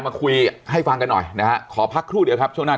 มาคุยให้ฟังกันหน่อยนะฮะขอพักครู่เดียวครับช่วงหน้า